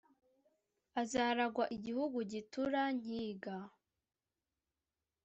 azaragwa igihugu gitura-nkiga,